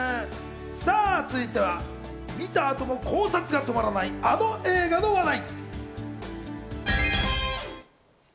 さあ、続いては見た後も考察が止まらない、あの映画の話題。